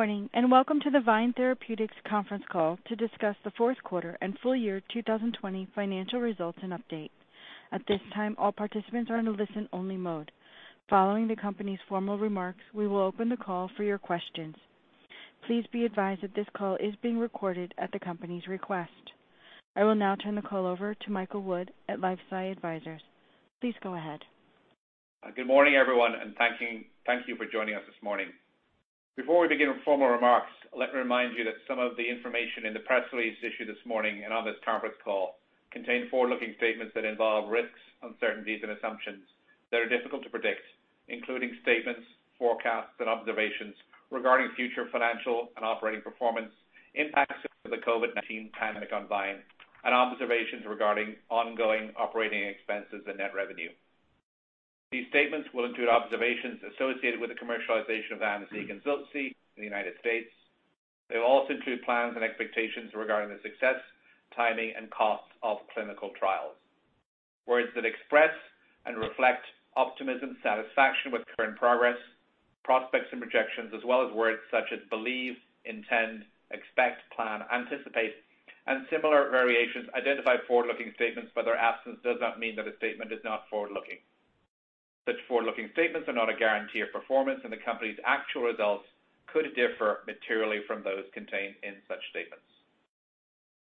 Good morning, and welcome to the VYNE Therapeutics conference call to discuss the fourth quarter and full year 2020 financial results and updates. At this time, all participants are in a listen-only mode. Following the company's formal remarks, we will open the call for your questions. Please be advised that this call is being recorded at the company's request. I will now turn the call over to Michael Wood at LifeSci Advisors. Please go ahead. Good morning, everyone, and thank you for joining us this morning. Before we begin formal remarks, let me remind you that some of the information in the press release issued this morning and on this conference call contain forward-looking statements that involve risks, uncertainties, and assumptions that are difficult to predict, including statements, forecasts, and observations regarding future financial and operating performance, impacts of the COVID-19 pandemic on VYNE, and observations regarding ongoing operating expenses and net revenue. These statements will include observations associated with the commercialization of AMZEEQ and ZILXI in the United States. They will also include plans and expectations regarding the success, timing, and costs of clinical trials. Words that express and reflect optimism, satisfaction with current progress, prospects and projections, as well as words such as believe, intend, expect, plan, anticipate, and similar variations identify forward-looking statements, but their absence does not mean that a statement is not forward-looking. Such forward-looking statements are not a guarantee of performance, and the company's actual results could differ materially from those contained in such statements.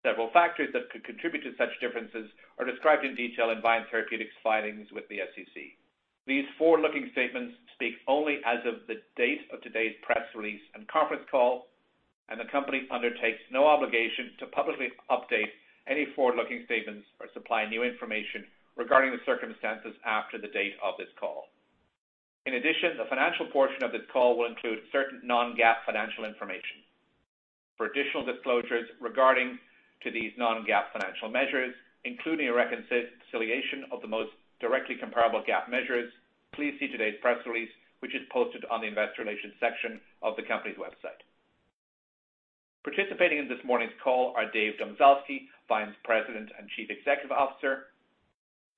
Several factors that could contribute to such differences are described in detail in VYNE Therapeutics' filings with the SEC. These forward-looking statements speak only as of the date of today's press release and conference call and the company undertakes no obligation to publicly update any forward-looking statements or supply new information regarding the circumstances after the date of this call. In addition, the financial portion of this call will include certain non-GAAP financial information. For additional disclosures regarding to these non-GAAP financial measures, including a reconciliation of the most directly comparable GAAP measures, please see today's press release, which is posted on the investor relations section of the company's website. Participating in this morning's call are Dave Domzalski, VYNE's President and Chief Executive Officer;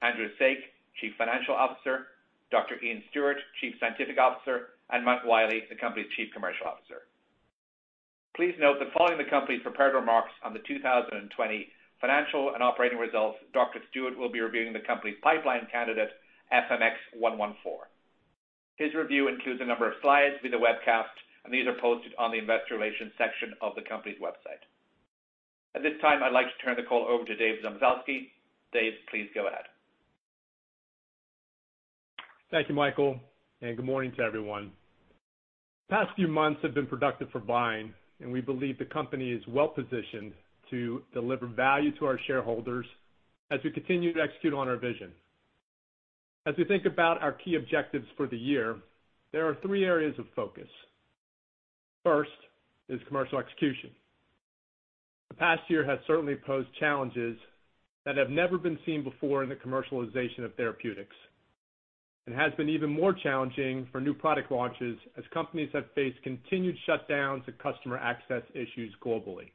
Andrew Saik, Chief Financial Officer; Dr. Iain Stuart, Chief Scientific Officer; and Matt Wiley, the company's Chief Commercial Officer. Please note that following the company's prepared remarks on the 2020 financial and operating results, Dr. Stuart will be reviewing the company's pipeline candidate, FMX114. His review includes a number of slides via the webcast, and these are posted on the investor relations section of the company's website. At this time, I'd like to turn the call over to Dave Domzalski. Dave, please go ahead. Thank you, Michael, and good morning to everyone. The past few months have been productive for VYNE, and we believe the company is well-positioned to deliver value to our shareholders as we continue to execute on our vision. As we think about our key objectives for the year, there are three areas of focus. First is commercial execution. The past year has certainly posed challenges that have never been seen before in the commercialization of therapeutics and has been even more challenging for new product launches as companies have faced continued shutdowns and customer access issues globally.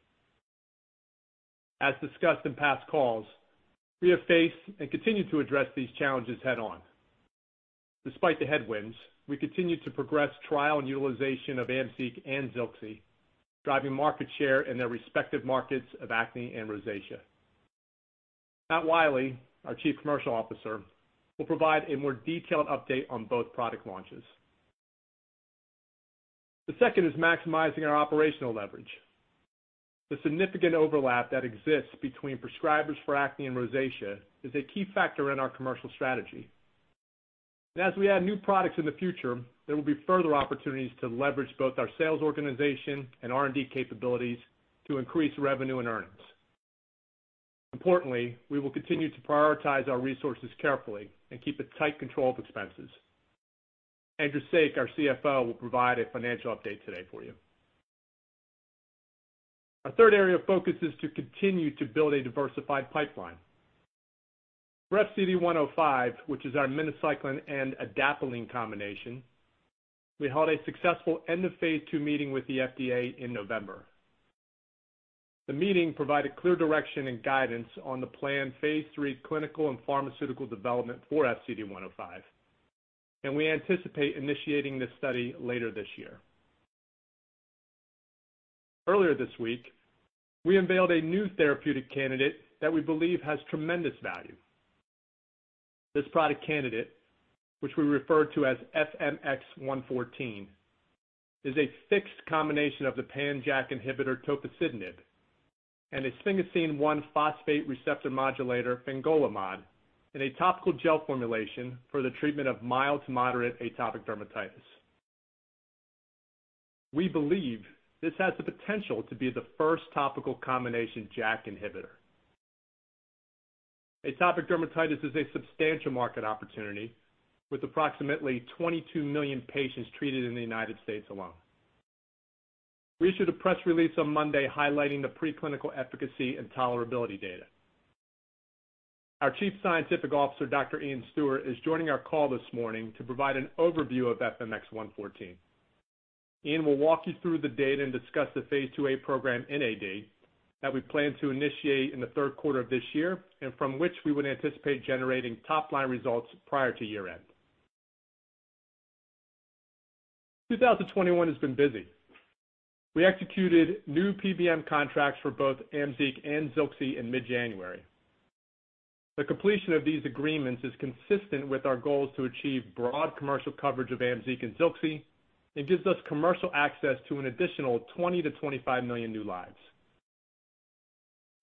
As discussed in past calls, we have faced and continue to address these challenges head-on. Despite the headwinds, we continue to progress trial and utilization of AMZEEQ and ZILXI, driving market share in their respective markets of acne and rosacea. Matt Wiley, our Chief Commercial Officer, will provide a more detailed update on both product launches. The second is maximizing our operational leverage. The significant overlap that exists between prescribers for acne and rosacea is a key factor in our commercial strategy. As we add new products in the future, there will be further opportunities to leverage both our sales organization and R&D capabilities to increase revenue and earnings. Importantly, we will continue to prioritize our resources carefully and keep a tight control of expenses. Andrew Saik, our CFO, will provide a financial update today for you. Our third area of focus is to continue to build a diversified pipeline. For FCD105, which is our minocycline and adapalene combination, we held a successful end-of-phase II meeting with the FDA in November. The meeting provided clear direction and guidance on the planned phase III clinical and pharmaceutical development for FCD105, and we anticipate initiating this study later this year. Earlier this week, we unveiled a new therapeutic candidate that we believe has tremendous value. This product candidate, which we refer to as FMX114, is a fixed combination of the pan-JAK inhibitor tofacitinib and a sphingosine 1-phosphate receptor modulator, fingolimod, in a topical gel formulation for the treatment of mild to moderate atopic dermatitis. We believe this has the potential to be the first topical combination JAK inhibitor. Atopic dermatitis is a substantial market opportunity, with approximately 22 million patients treated in the United States alone. We issued a press release on Monday highlighting the preclinical efficacy and tolerability data. Our Chief Scientific Officer, Dr. Iain Stuart, is joining our call this morning to provide an overview of FMX114. Iain will walk you through the data and discuss the phase II-A program in AD that we plan to initiate in the third quarter of this year and from which we would anticipate generating top-line results prior to year-end. 2021 has been busy. We executed new PBM contracts for both AMZEEQ and ZILXI in mid-January. The completion of these agreements is consistent with our goals to achieve broad commercial coverage of AMZEEQ and ZILXI, gives us commercial access to an additional 20-25 million new lives.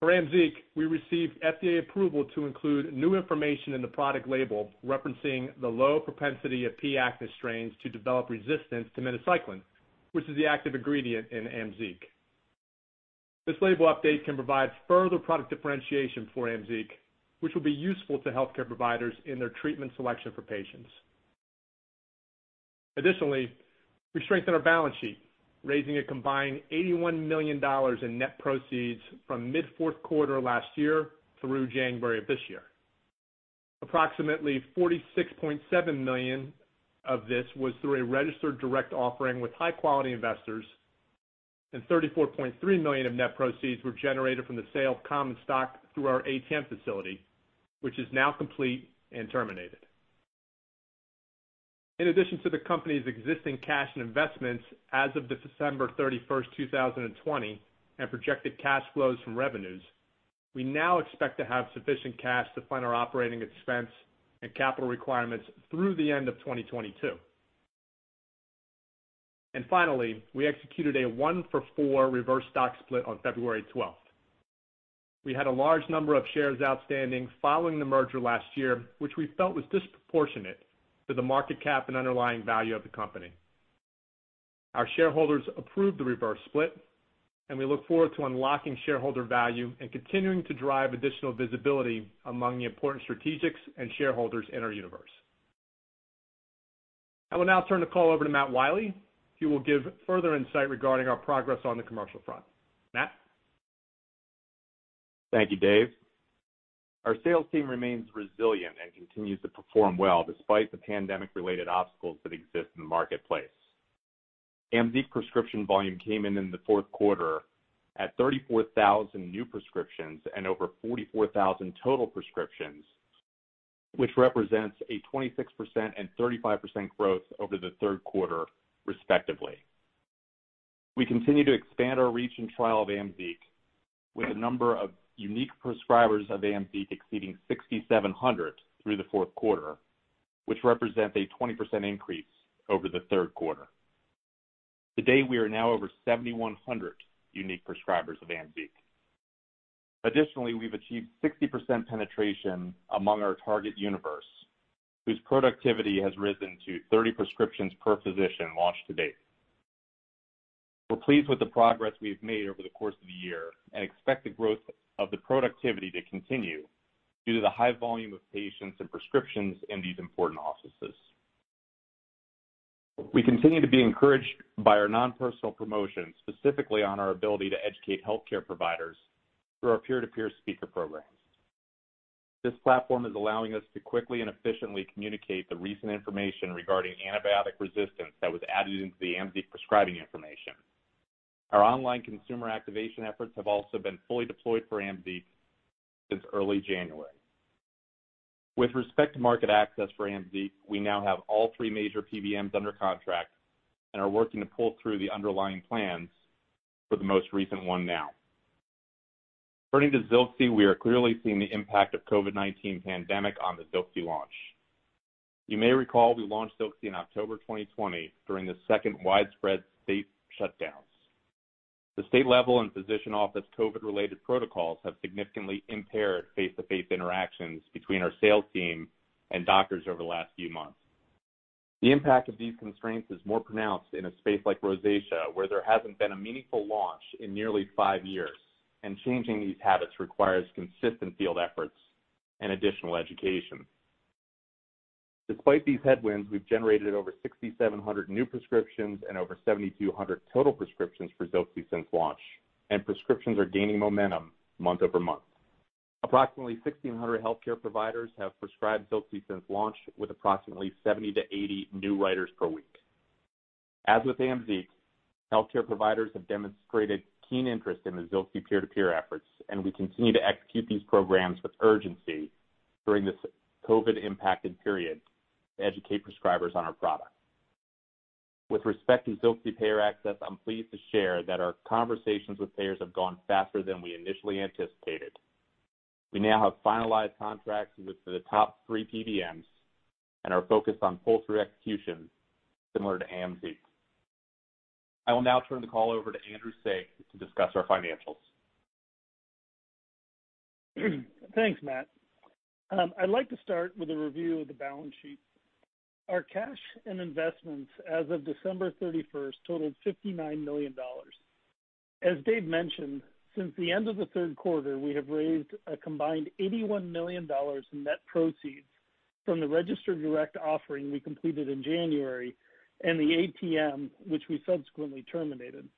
For AMZEEQ, we received FDA approval to include new information in the product label, referencing the low propensity of P. acnes strains to develop resistance to minocycline, which is the active ingredient in AMZEEQ. This label update can provide further product differentiation for AMZEEQ, which will be useful to healthcare providers in their treatment selection for patients. We strengthened our balance sheet, raising a combined $81 million in net proceeds from mid-fourth quarter last year through January of this year. Approximately $46.7 million of this was through a registered direct offering with high-quality investors, $34.3 million of net proceeds were generated from the sale of common stock through our ATM facility, which is now complete and terminated. In addition to the company's existing cash and investments as of December 31st, 2020, and projected cash flows from revenues, we now expect to have sufficient cash to fund our operating expense and capital requirements through the end of 2022. Finally, we executed a one-for-four reverse stock split on February 12th. We had a large number of shares outstanding following the merger last year, which we felt was disproportionate to the market cap and underlying value of the company. Our shareholders approved the reverse split, and we look forward to unlocking shareholder value and continuing to drive additional visibility among the important strategics and shareholders in our universe. I will now turn the call over to Matt Wiley, who will give further insight regarding our progress on the commercial front. Matt? Thank you, Dave. Our sales team remains resilient and continues to perform well despite the pandemic-related obstacles that exist in the marketplace. AMZEEQ prescription volume came in in the fourth quarter at 34,000 new prescriptions and over 44,000 total prescriptions, which represents a 26% and 35% growth over the third quarter, respectively. We continue to expand our reach and trial of AMZEEQ with the number of unique prescribers of AMZEEQ exceeding 6,700 through the fourth quarter, which represents a 20% increase over the third quarter. To date, we are now over 7,100 unique prescribers of AMZEEQ. Additionally, we've achieved 60% penetration among our target universe, whose productivity has risen to 30 prescriptions per physician launched to date. We're pleased with the progress we've made over the course of the year and expect the growth of the productivity to continue due to the high volume of patients and prescriptions in these important offices. We continue to be encouraged by our non-personal promotions, specifically on our ability to educate healthcare providers through our peer-to-peer speaker programs. This platform is allowing us to quickly and efficiently communicate the recent information regarding antibiotic resistance that was added into the AMZEEQ prescribing information. Our online consumer activation efforts have also been fully deployed for AMZEEQ since early January. With respect to market access for AMZEEQ, we now have all three major PBMs under contract and are working to pull through the underlying plans for the most recent one now. Turning to ZILXI, we are clearly seeing the impact of COVID-19 pandemic on the ZILXI launch. You may recall we launched ZILXI in October 2020 during the second widespread state shutdowns. The state level and physician office COVID-related protocols have significantly impaired face-to-face interactions between our sales team and doctors over the last few months. The impact of these constraints is more pronounced in a space like rosacea, where there hasn't been a meaningful launch in nearly five years, and changing these habits requires consistent field efforts and additional education. Despite these headwinds, we've generated over 6,700 new prescriptions and over 7,200 total prescriptions for ZILXI since launch, and prescriptions are gaining momentum month-over-month. Approximately 1,600 healthcare providers have prescribed ZILXI since launch, with approximately 70-80 new writers per week. As with AMZEEQ, healthcare providers have demonstrated keen interest in the ZILXI peer-to-peer efforts, and we continue to execute these programs with urgency during this COVID-19-impacted period to educate prescribers on our product. With respect to ZILXI payer access, I'm pleased to share that our conversations with payers have gone faster than we initially anticipated. We now have finalized contracts with the top three PBMs and are focused on pull-through execution similar to AMZEEQ. I will now turn the call over to Andrew Saik to discuss our financials. Thanks, Matt. I'd like to start with a review of the balance sheet. Our cash and investments as of December 31st totaled $59 million. As Dave mentioned, since the end of the third quarter, we have raised a combined $81 million in net proceeds from the registered direct offering we completed in January and the ATM, which we subsequently terminated.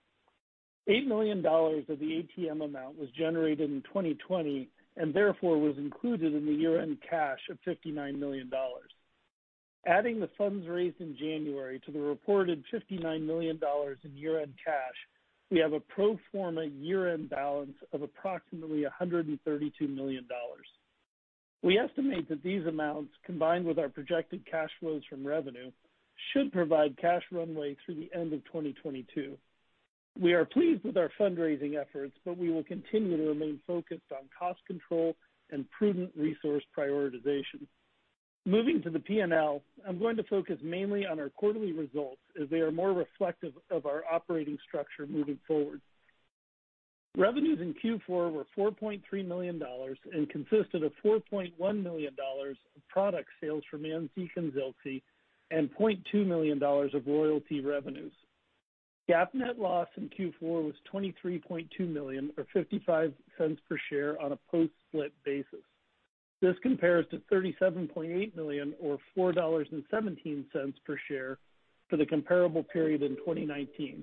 $8 million of the ATM amount was generated in 2020, and therefore was included in the year-end cash of $59 million. Adding the funds raised in January to the reported $59 million in year-end cash, we have a pro forma year-end balance of approximately $132 million. We estimate that these amounts, combined with our projected cash flows from revenue, should provide cash runway through the end of 2022. We are pleased with our fundraising efforts, but we will continue to remain focused on cost control and prudent resource prioritization. Moving to the P&L, I'm going to focus mainly on our quarterly results, as they are more reflective of our operating structure moving forward. Revenues in Q4 were $4.3 million and consisted of $4.1 million of product sales from AMZEEQ and ZILXI, and $0.2 million of royalty revenues. GAAP net loss in Q4 was $23.2 million or $0.55 per share on a post-split basis. This compares to $37.8 million or $4.17 per share for the comparable period in 2019.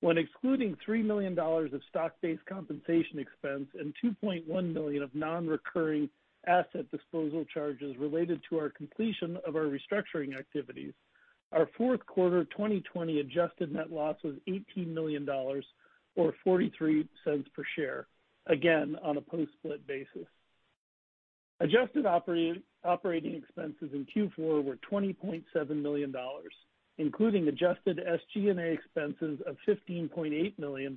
When excluding $3 million of stock-based compensation expense and $2.1 million of non-recurring asset disposal charges related to our completion of our restructuring activities, our fourth quarter 2020 adjusted net loss was $18 million or $0.43 per share, again, on a post-split basis. Adjusted operating expenses in Q4 were $20.7 million, including adjusted SG&A expenses of $15.8 million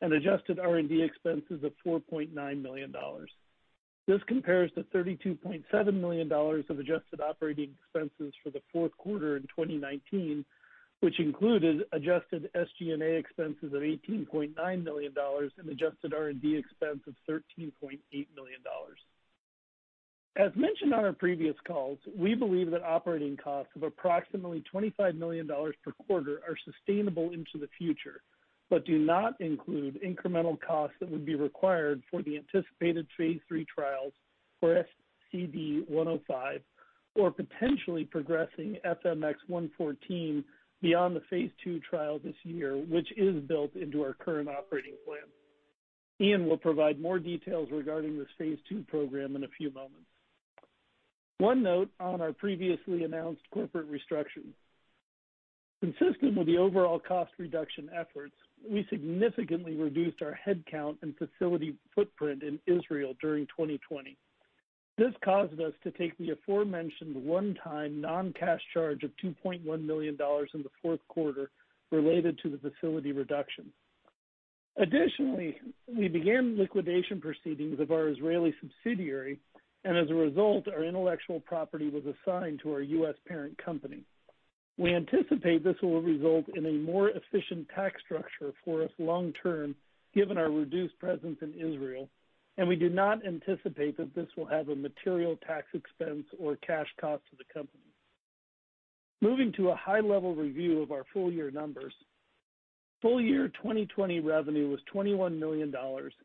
and adjusted R&D expenses of $4.9 million. This compares to $32.7 million of adjusted operating expenses for the fourth quarter in 2019, which included adjusted SG&A expenses of $18.9 million and adjusted R&D expense of $13.8 million. As mentioned on our previous calls, we believe that operating costs of approximately $25 million per quarter are sustainable into the future but do not include incremental costs that would be required for the anticipated phase III trials for FCD105 or potentially progressing FMX114 beyond the phase II trial this year, which is built into our current operating plan. Iain will provide more details regarding this phase II program in a few moments. One note on our previously announced corporate restructuring. Consistent with the overall cost reduction efforts, we significantly reduced our headcount and facility footprint in Israel during 2020. This caused us to take the aforementioned one-time non-cash charge of $2.1 million in the fourth quarter related to the facility reduction. Additionally, we began liquidation proceedings of our Israeli subsidiary, and as a result, our intellectual property was assigned to our U.S. parent company. We anticipate this will result in a more efficient tax structure for us long term given our reduced presence in Israel, and we do not anticipate that this will have a material tax expense or cash cost to the company. Moving to a high-level review of our full-year numbers. Full year 2020 revenue was $21 million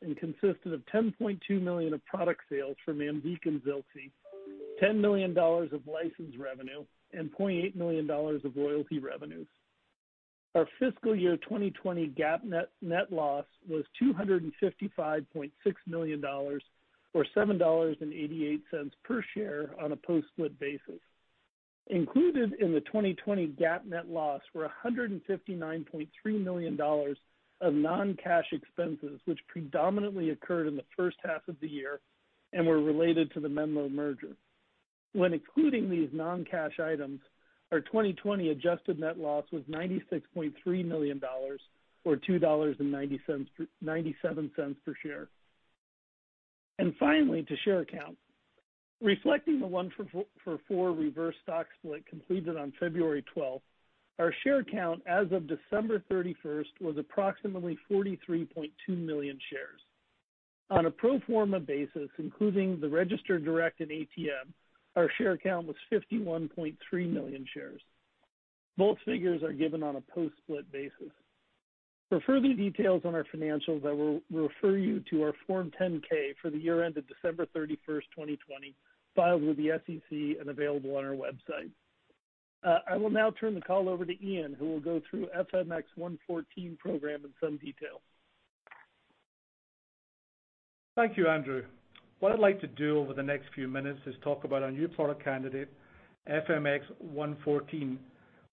and consisted of $10.2 million of product sales from AMZEEQ and ZILXI, $10 million of license revenue, and $0.8 million of royalty revenues. Our fiscal year 2020 GAAP net loss was $255.6 million or $7.88 per share on a post-split basis. Included in the 2020 GAAP net loss were $159.3 million of non-cash expenses, which predominantly occurred in the first half of the year and were related to the Menlo merger. When including these non-cash items, our 2020 adjusted net loss was $96.3 million or $2.97 per share. Finally, to share count. Reflecting the one-for-four reverse stock split completed on February 12th, our share count as of December 31st was approximately 43.2 million shares. On a pro forma basis, including the registered direct and ATM, our share count was 51.3 million shares. Both figures are given on a post-split basis. For further details on our financials, I will refer you to our Form 10-K for the year ended December 31st, 2020, filed with the SEC and available on our website. I will now turn the call over to Iain, who will go through FMX114 program in some detail. Thank you, Andrew. What I'd like to do over the next few minutes is talk about our new product candidate, FMX114,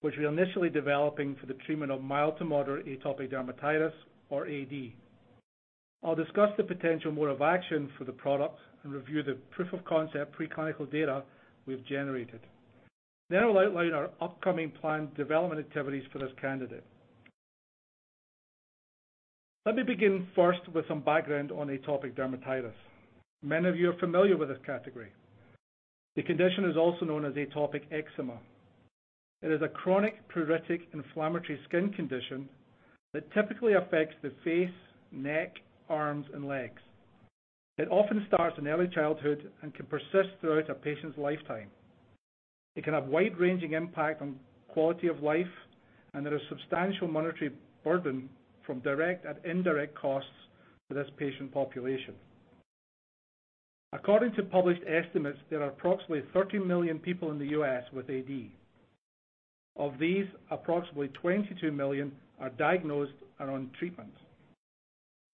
which we're initially developing for the treatment of mild to moderate atopic dermatitis, or AD. I'll discuss the potential mode of action for the product and review the proof of concept preclinical data we've generated. I'll outline our upcoming planned development activities for this candidate. Let me begin first with some background on atopic dermatitis. Many of you are familiar with this category. The condition is also known as atopic eczema. It is a chronic pruritic inflammatory skin condition that typically affects the face, neck, arms, and legs. It often starts in early childhood and can persist throughout a patient's lifetime. It can have wide-ranging impact on quality of life, and there is substantial monetary burden from direct and indirect costs to this patient population. According to published estimates, there are approximately 30 million people in the U.S. with AD. Of these, approximately 22 million are diagnosed and on treatment.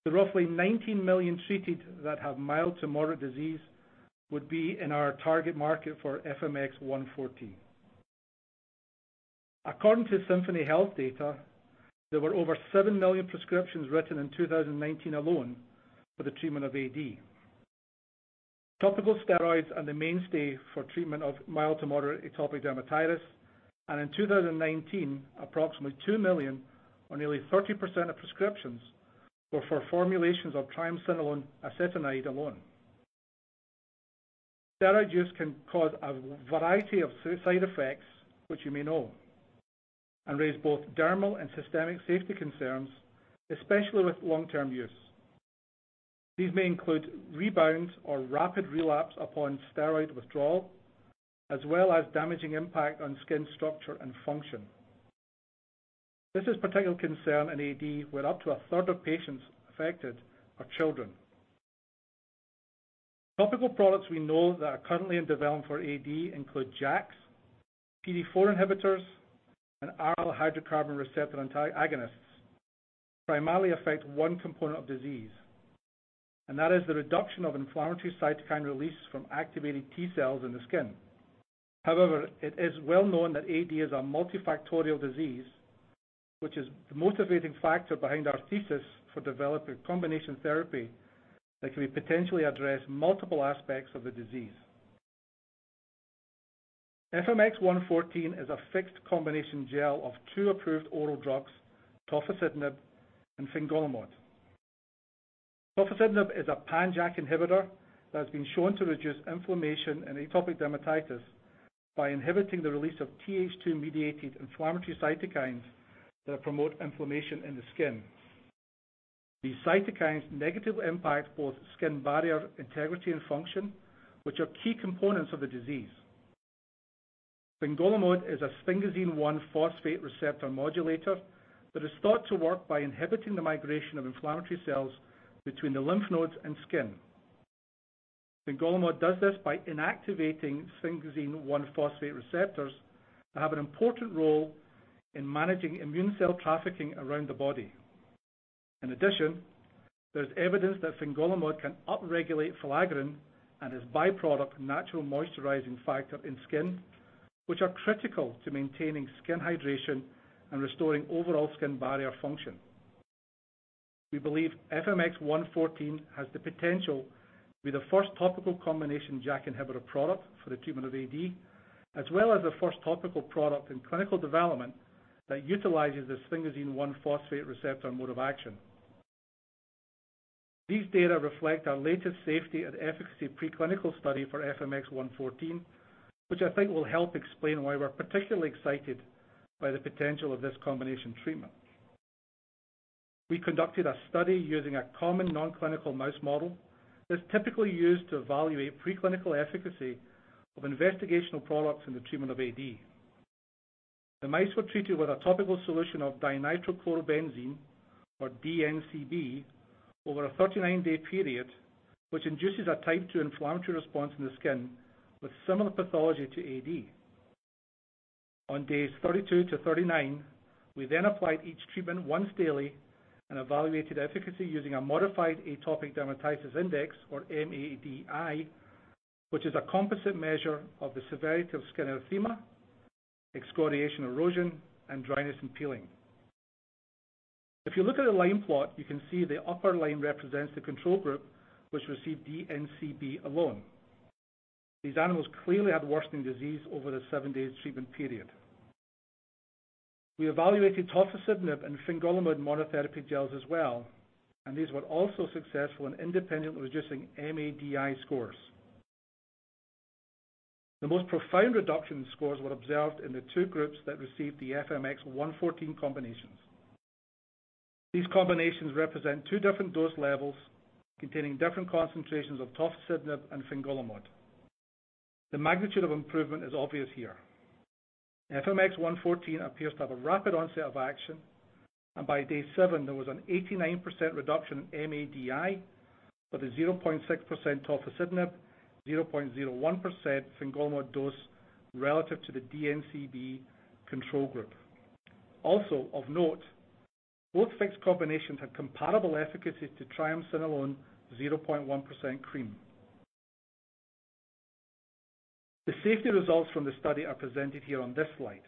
The roughly 19 million treated that have mild to moderate disease would be in our target market for FMX114. According to Symphony Health data, there were over 7 million prescriptions written in 2019 alone for the treatment of AD. Topical steroids are the mainstay for treatment of mild to moderate atopic dermatitis, and in 2019, approximately 2 million, or nearly 30% of prescriptions, were for formulations of triamcinolone acetonide alone. Steroid use can cause a variety of side effects, which you may know, and raise both dermal and systemic safety concerns, especially with long-term use. These may include rebound or rapid relapse upon steroid withdrawal, as well as damaging impact on skin structure and function. This is particular concern in AD, where up to a 1/3 of patients affected are children. Topical products we know that are currently in development for AD include JAKs, PDE4 inhibitors, and aryl hydrocarbon receptor agonists primarily affect one component of disease, and that is the reduction of inflammatory cytokine release from activated T-cells in the skin. It is well known that AD is a multifactorial disease, which is the motivating factor behind our thesis for developing combination therapy that can potentially address multiple aspects of the disease. FMX114 is a fixed combination gel of two approved oral drugs, tofacitinib and fingolimod. Tofacitinib is a pan-JAK inhibitor that has been shown to reduce inflammation and atopic dermatitis by inhibiting the release of Th2-mediated inflammatory cytokines that promote inflammation in the skin. These cytokines negatively impact both skin barrier integrity and function, which are key components of the disease. Fingolimod is a sphingosine-1 phosphate receptor modulator that is thought to work by inhibiting the migration of inflammatory cells between the lymph nodes and skin. Fingolimod does this by inactivating sphingosine-1 phosphate receptors that have an important role in managing immune cell trafficking around the body. In addition, there's evidence that fingolimod can upregulate filaggrin and its byproduct, natural moisturizing factor in skin, which are critical to maintaining skin hydration and restoring overall skin barrier function. We believe FMX114 has the potential to be the first topical combination JAK inhibitor product for the treatment of AD, as well as the first topical product in clinical development that utilizes the sphingosine-1 phosphate receptor mode of action. These data reflect our latest safety and efficacy preclinical study for FMX114, which I think will help explain why we're particularly excited by the potential of this combination treatment. We conducted a study using a common non-clinical mouse model that's typically used to evaluate preclinical efficacy of investigational products in the treatment of AD. The mice were treated with a topical solution of dinitrochlorobenzene, or DNCB, over a 39-day period, which induces a Type II inflammatory response in the skin with similar pathology to AD. On days 32 to 39, we applied each treatment once daily and evaluated efficacy using a modified Atopic Dermatitis Index, or mADI, which is a composite measure of the severity of skin erythema, excoriation erosion, and dryness and peeling. If you look at the line plot, you can see the upper line represents the control group, which received DNCB alone. These animals clearly had worsening disease over the seven-day treatment period. We evaluated tofacitinib and fingolimod monotherapy gels as well, and these were also successful in independently reducing mADI scores. The most profound reduction in scores were observed in the two groups that received the FMX114 combinations. These combinations represent two different dose levels containing different concentrations of tofacitinib and fingolimod. The magnitude of improvement is obvious here. By day seven, there was an 89% reduction in mADI for the 0.6% tofacitinib, 0.01% fingolimod dose relative to the DNCB control group. Also of note, both fixed combinations had comparable efficacy to triamcinolone 0.1% cream. The safety results from the study are presented here on this slide.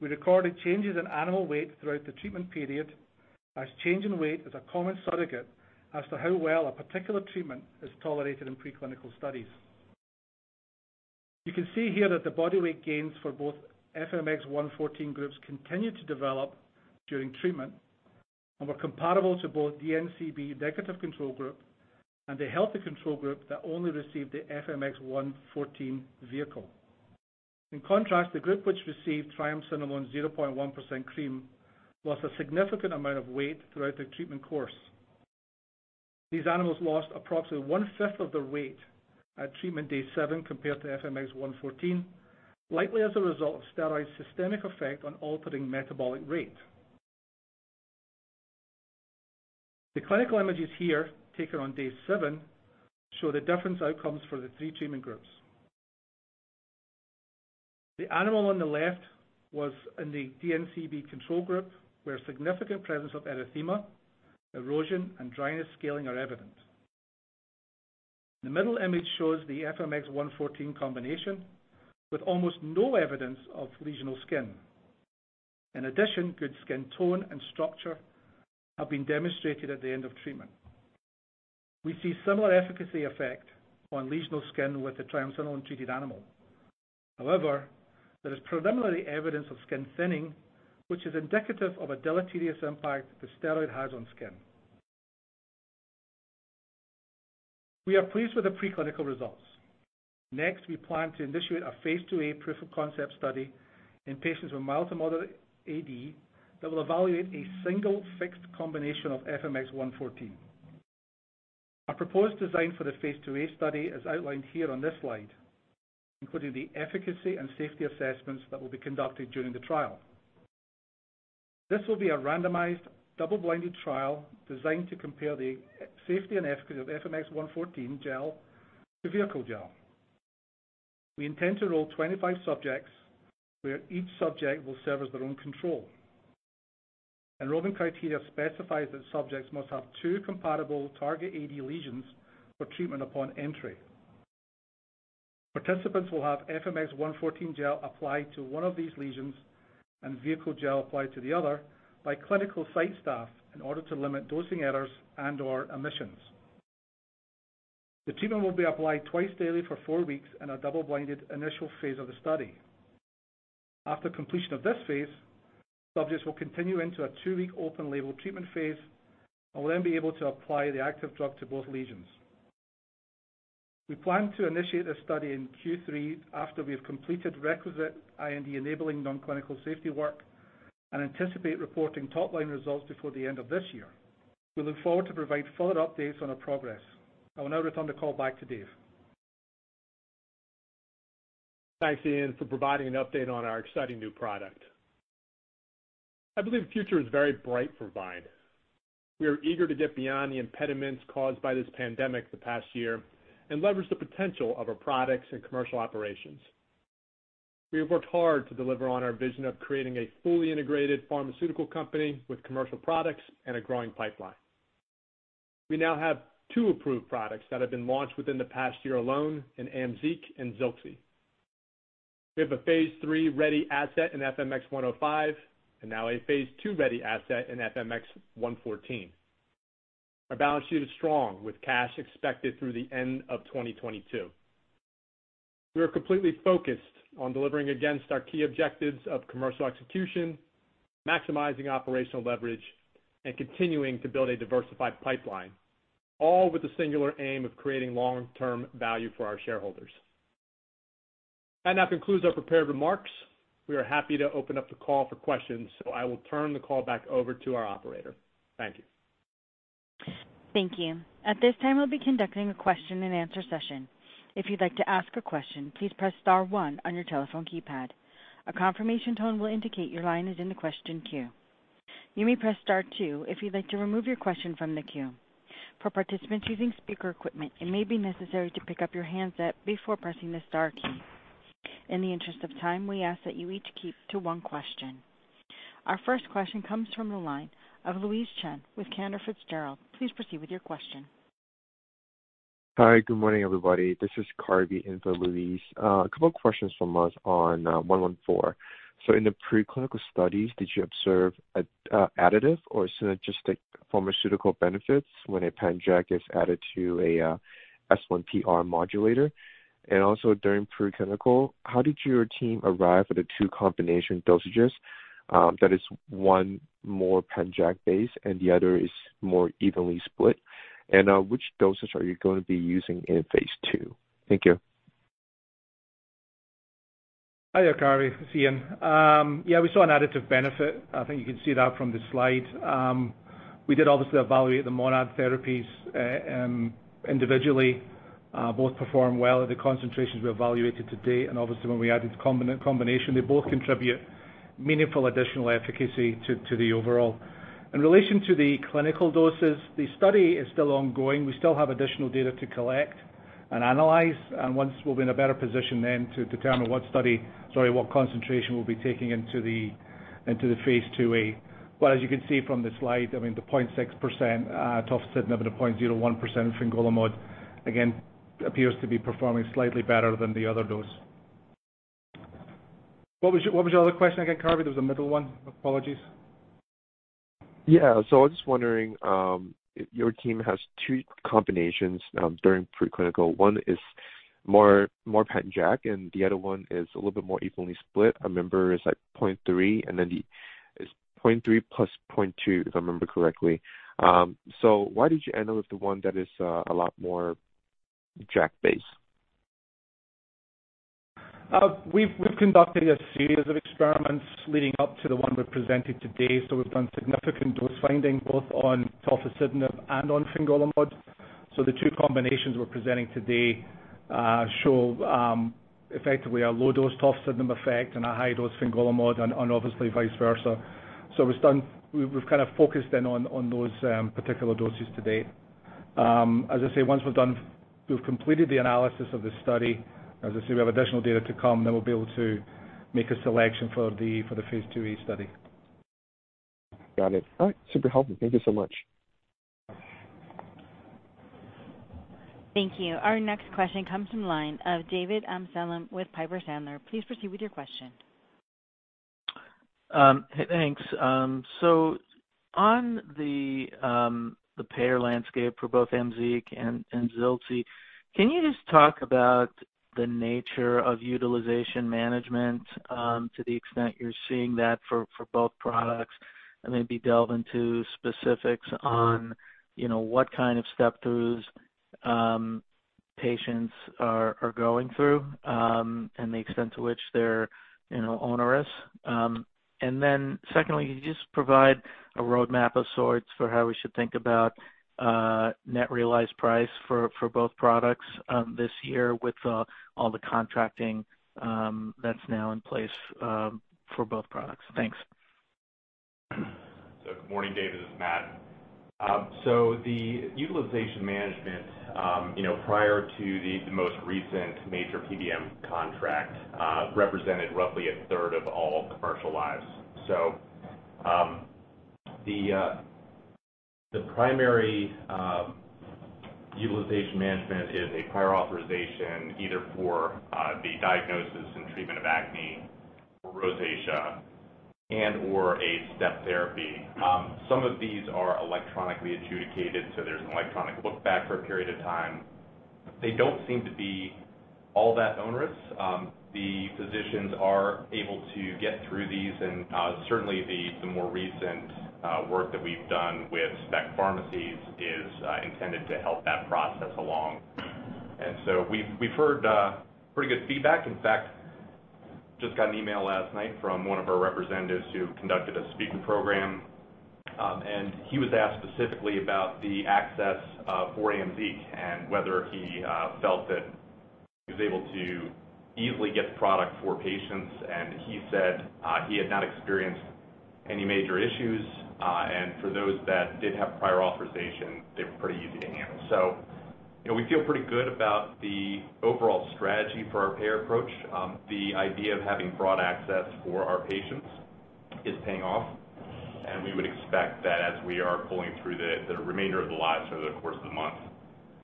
We recorded changes in animal weight throughout the treatment period, as change in weight is a common surrogate as to how well a particular treatment is tolerated in preclinical studies. You can see here that the body weight gains for both FMX114 groups continued to develop during treatment and were comparable to both DNCB negative control group and the healthy control group that only received the FMX114 vehicle. In contrast, the group which received triamcinolone 0.1% cream lost a significant amount of weight throughout the treatment course. These animals lost approximately 1/5 of their weight at treatment day seven compared to FMX114, likely as a result of steroid's systemic effect on altering metabolic rate. The clinical images here, taken on day seven, show the different outcomes for the three treatment groups. The animal on the left was in the DNCB control group, where significant presence of erythema, erosion, and dryness scaling are evident. The middle image shows the FMX114 combination with almost no evidence of lesional skin. In addition, good skin tone and structure have been demonstrated at the end of treatment. We see similar efficacy effect on lesional skin with the triamcinolone-treated animal. However, there is preliminary evidence of skin thinning, which is indicative of a deleterious impact the steroid has on skin. We are pleased with the preclinical results. Next, we plan to initiate a phase II-A proof-of-concept study in patients with mild to moderate AD that will evaluate a single fixed combination of FMX114. Our proposed design for the phase II-A study is outlined here on this slide, including the efficacy and safety assessments that will be conducted during the trial. This will be a randomized, double-blinded trial designed to compare the safety and efficacy of FMX114 gel to vehicle gel. We intend to enroll 25 subjects, where each subject will serve as their own control. Enrolling criteria specifies that subjects must have two comparable target AD lesions for treatment upon entry. Participants will have FMX114 gel applied to one of these lesions and vehicle gel applied to the other by clinical site staff in order to limit dosing errors and/or omissions. The treatment will be applied twice daily for four weeks in a double-blinded initial phase of the study. After completion of this phase, subjects will continue into a two-week open label treatment phase and will then be able to apply the active drug to both lesions. We plan to initiate a study in Q3 after we have completed requisite IND-enabling nonclinical safety work and anticipate reporting top-line results before the end of this year. We look forward to provide further updates on our progress. I will now return the call back to Dave. Thanks, Iain, for providing an update on our exciting new product. I believe the future is very bright for VYNE. We are eager to get beyond the impediments caused by this pandemic the past year and leverage the potential of our products and commercial operations. We have worked hard to deliver on our vision of creating a fully integrated pharmaceutical company with commercial products and a growing pipeline. We now have two approved products that have been launched within the past year alone in AMZEEQ and ZILXI. We have a phase III-ready asset in FCD105 and now a phase II-ready asset in FMX114. Our balance sheet is strong, with cash expected through the end of 2022. We are completely focused on delivering against our key objectives of commercial execution, maximizing operational leverage, and continuing to build a diversified pipeline, all with the singular aim of creating long-term value for our shareholders. That now concludes our prepared remarks. We are happy to open up the call for questions, I will turn the call back over to our operator. Thank you. Thank you. At this time we begin our question and answer session. If you would like to ask a question please press star one on your telephone keypad. A confirmation tone will indicate your line is in the question queue. You may press star two if you would like to remove your question from the queue. For participatory speaker equipment it may be necessary to pick up the handset before pressing the star key. In the interest of time we request you keep to one question. Our first question comes from the line of Louise Chen with Cantor Fitzgerald. Please proceed with your question. Hi. Good morning, everybody. This is Carvey in for Louise. A couple of questions from us on FMX114. In the preclinical studies, did you observe additive or synergistic pharmaceutical benefits when a JAK is added to a S1PR modulator? Also during preclinical, how did your team arrive at the two combination dosages? That is, one more JAK-based, and the other is more evenly split. Which dosage are you going to be using in phase II? Thank you. Hi there, Carvey. It's Iain. Yeah, we saw an additive benefit. I think you can see that from the slide. We did obviously evaluate the monad therapies individually. Both performed well at the concentrations we evaluated to date. Obviously, when we added combination, they both contribute meaningful additional efficacy to the overall. In relation to the clinical doses, the study is still ongoing. We still have additional data to collect and analyze, and once we'll be in a better position then to determine what concentration we'll be taking into the phase II-A. As you can see from the slide, the 0.6% tofacitinib and the 0.01% fingolimod, again, appears to be performing slightly better than the other dose. What was your other question again, Karvi? There was a middle one. Apologies. Yeah. I was just wondering, your team has two combinations during preclinical. One is more JAK, and the other one is a little bit more evenly split. I remember it's like 0.3 plus 0.2, if I remember correctly. Why did you end up with the one that is a lot more JAK-based? We've conducted a series of experiments leading up to the one we're presenting today. We've done significant dose-finding, both on tofacitinib and on fingolimod. The two combinations we're presenting today show effectively a low-dose tofacitinib effect and a high-dose fingolimod and obviously vice versa. We've kind of focused in on those particular doses to date. As I say, once we've completed the analysis of the study, as I say, we have additional data to come, then we'll be able to make a selection for the phase II-A study. Got it. All right. Super helpful. Thank you so much. Thank you. Our next question comes from line of David Amsellem with Piper Sandler. Please proceed with your question. Hey, thanks. On the payer landscape for both AMZEEQ and ZILXI, can you just talk about the nature of utilization management to the extent you're seeing that for both products, and maybe delve into specifics on what kind of step-throughs patients are going through and the extent to which they're onerous? Secondly, can you just provide a roadmap of sorts for how we should think about net realized price for both products this year with all the contracting that's now in place for both products? Thanks. Good morning, David, this is Matt. The utilization management prior to the most recent major PBM contract represented roughly a third of all commercial lives. The primary utilization management is a prior authorization either for the diagnosis and treatment of acne, rosacea, and/or a step therapy. Some of these are electronically adjudicated, so there's an electronic look back for a period of time. They don't seem to be all that onerous. The physicians are able to get through these and certainly the more recent work that we've done with specialty pharmacies is intended to help that process along. We've heard pretty good feedback. In fact, just got an email last night from one of our representatives who conducted a speaker program. He was asked specifically about the access for AMZEEQ and whether he felt that he was able to easily get the product for patients. He said he had not experienced any major issues. For those that did have prior authorization, they were pretty easy to handle. We feel pretty good about the overall strategy for our payer approach. The idea of having broad access for our patients is paying off, and we would expect that as we are pulling through the remainder of the lives over the course of the month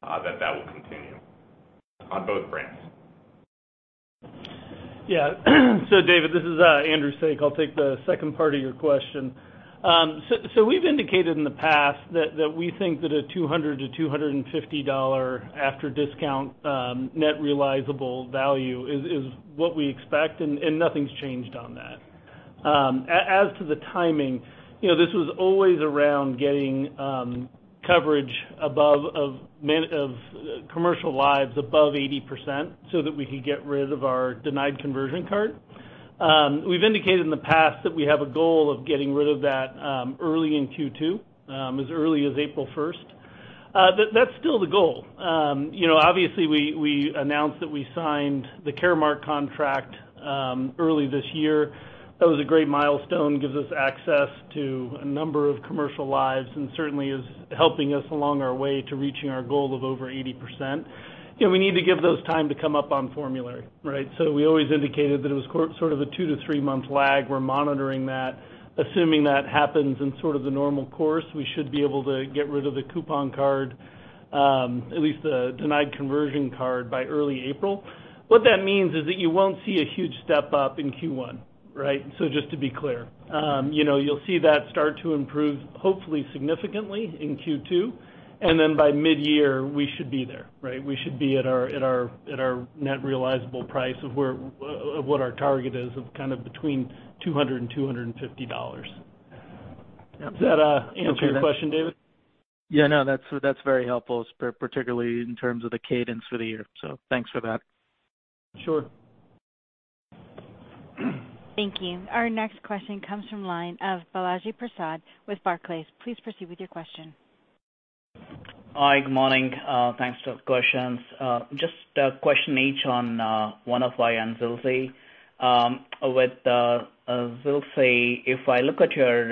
that that will continue on both brands. Yeah. David, this is Andrew Saik. I'll take the second part of your question. We've indicated in the past that we think that a $200-$250 after discount net realizable value is what we expect, and nothing's changed on that. As to the timing, this was always around getting coverage of commercial lives above 80% so that we could get rid of our denied conversion card. We've indicated in the past that we have a goal of getting rid of that early in Q2 as early as April 1st. That's still the goal. Obviously, we announced that we signed the Caremark contract early this year. That was a great milestone. Gives us access to a number of commercial lives and certainly is helping us along our way to reaching our goal of over 80%. We need to give those time to come up on formulary. We always indicated that it was sort of a two to three-month lag. We're monitoring that. Assuming that happens in sort of the normal course, we should be able to get rid of the coupon card, at least the denied conversion card by early April. What that means is that you won't see a huge step up in Q1. Just to be clear. You'll see that start to improve, hopefully significantly in Q2, and then by mid-year we should be there. We should be at our net realizable price of what our target is of kind of between $200 and $250. Does that answer your question, David? Yeah, no, that's very helpful, particularly in terms of the cadence for the year. Thanks for that. Sure. Thank you. Our next question comes from line of Balaji Prasad with Barclays. Please proceed with your question. Hi. Good morning. Thanks. Two questions. Just a question each on FCD105 and ZILXI. With ZILXI, if I look at your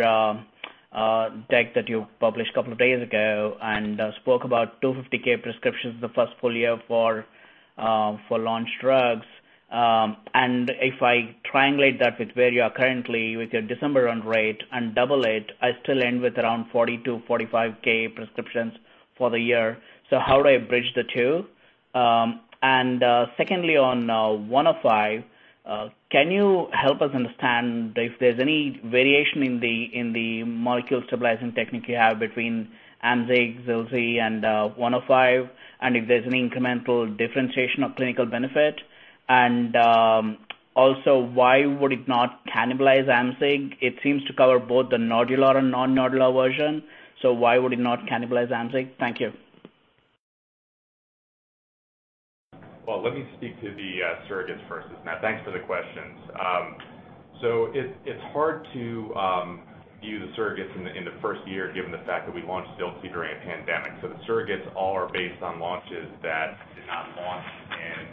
deck that you published a couple of days ago and spoke about 250,000 prescriptions the first full year for launch drugs. If I triangulate that with where you are currently with your December run rate and double it, I still end with around 40,000-45,000 prescriptions for the year. How do I bridge the two? Secondly, on FCD105, can you help us understand if there's any variation in the Molecule Stabilizing Technology you have between AMZEEQ, ZILXI, and FCD105, and if there's any incremental differentiation of clinical benefit? Also why would it not cannibalize AMZEEQ? It seems to cover both the nodular and non-nodular version, why would it not cannibalize AMZEEQ? Thank you. Well, let me speak to the surrogates first. It's Matt. Thanks for the questions. It's hard to view the surrogates in the first year given the fact that we launched ZILXI during a pandemic. The surrogates all are based on launches that did not launch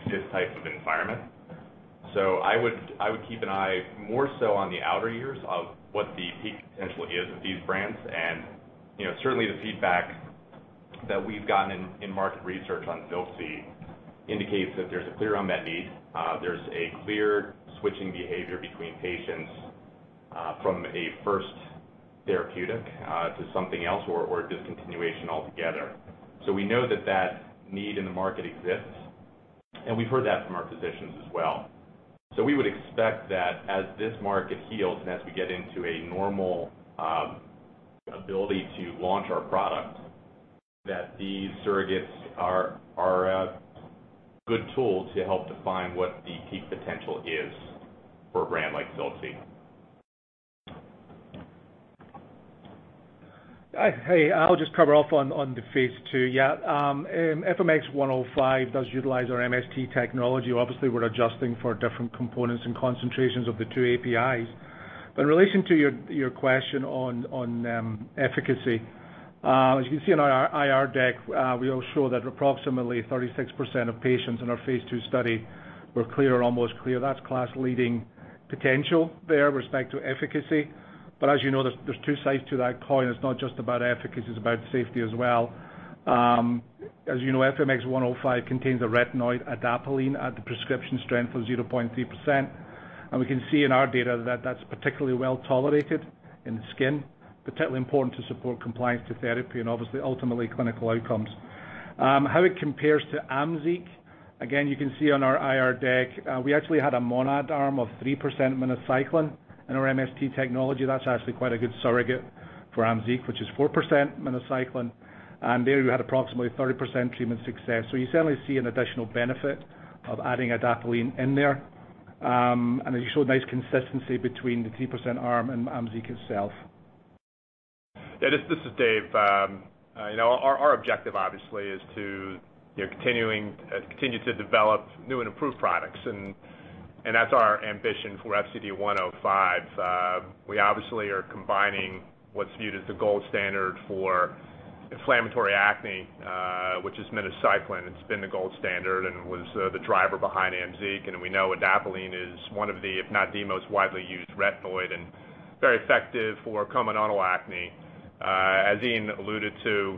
in this type of environment. I would keep an eye more so on the outer years of what the peak potential is of these brands. Certainly the feedback that we've gotten in market research on ZILXI indicates that there's a clear unmet need. There's a clear switching behavior between patients from a first therapeutic to something else or discontinuation altogether. We know that that need in the market exists, and we've heard that from our physicians as well. We would expect that as this market heals and as we get into a normal ability to launch our product, that these surrogates are a good tool to help define what the peak potential is for a brand like ZILXI. Hey, I'll just cover off on the phase II. Yeah, FMX105 does utilize our MST technology, obviously, we're adjusting for different components and concentrations of the two APIs. In relation to your question on efficacy, as you can see in our IR deck, we show that approximately 36% of patients in our phase II study were clear or almost clear. That's class-leading potential there with respect to efficacy. As you know, there's two sides to that coin. It's not just about efficacy, it's about safety as well. As you know, FCD105 contains a retinoid adapalene at the prescription strength of 0.3%. We can see in our data that that's particularly well-tolerated in the skin, particularly important to support compliance to therapy and obviously ultimately clinical outcomes. How it compares to AMZEEQ, again, you can see on our IR deck, we actually had a monad arm of 3% minocycline in our MST technology. That's actually quite a good surrogate for AMZEEQ, which is 4% minocycline. There we had approximately 30% treatment success. You certainly see an additional benefit of adding adapalene in there. As you showed, nice consistency between the 3% arm and AMZEEQ itself. Yeah, this is Dave. Our objective obviously is to continue to develop new and improved products, and that's our ambition for FCD105. We obviously are combining what's viewed as the gold standard for inflammatory acne, which is minocycline. It's been the gold standard and was the driver behind AMZEEQ, and we know adapalene is one of the, if not the most widely used retinoid and very effective for comedonal acne. As Iain alluded to,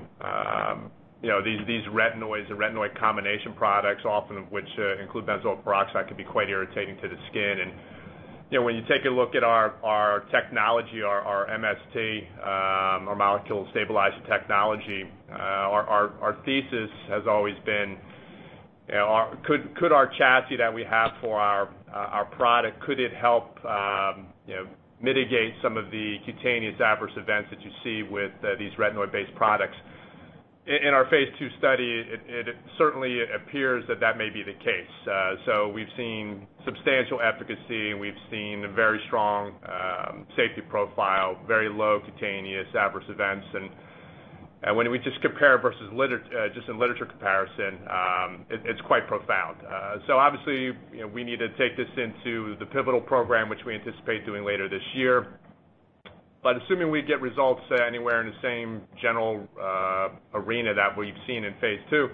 these retinoids or retinoid combination products, often of which include benzoyl peroxide, could be quite irritating to the skin. When you take a look at our technology, our MST, our Molecule Stabilizing Technology, our thesis has always been, could our chassis that we have for our product, could it help mitigate some of the cutaneous adverse events that you see with these retinoid-based products? In our phase II study, it certainly appears that that may be the case. We've seen substantial efficacy, we've seen a very strong safety profile, very low cutaneous adverse events. When we just compare versus just in literature comparison, it's quite profound. Obviously, we need to take this into the pivotal program, which we anticipate doing later this year. Assuming we get results anywhere in the same general arena that we've seen in phase II,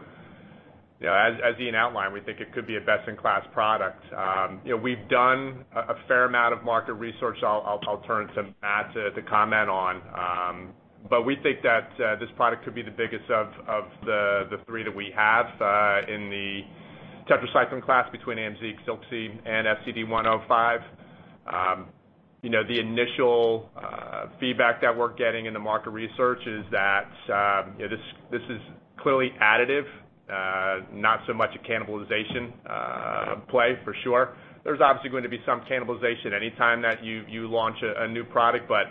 as Iain outlined, we think it could be a best-in-class product. We've done a fair amount of market research, I'll turn to Matt to comment on. We think that this product could be the biggest of the three that we have in the tetracycline class between AMZEEQ, ZILXI, and FCD105. The initial feedback that we're getting in the market research is that this is clearly additive, not so much a cannibalization play for sure. There's obviously going to be some cannibalization anytime that you launch a new product, but